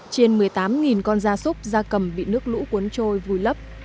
trên một mươi tám con gia súc gia cầm bị nước lũ cuốn trôi vùi lấp